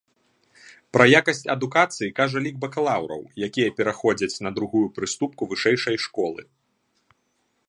Пра якасць адукацыі кажа лік бакалаўраў, якія пераходзяць на другую прыступку вышэйшай школы.